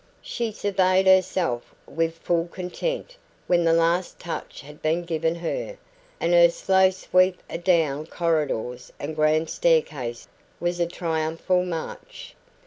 She surveyed herself with full content when the last touch had been given her, and her slow sweep a down corridors and grand staircase was a triumphal march.